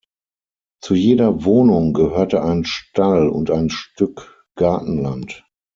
Zu jeder Wohnung gehörte ein Stall und ein Stück Gartenland.